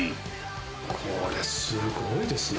これすごいですね。